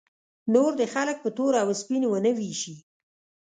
نور دې خلک په تور او سپین ونه ویشي.